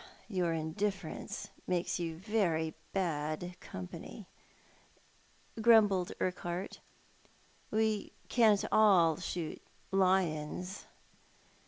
"Your indifference makes you very bad comjDany," grumbled Urqiihart. " We can't all shoot lions."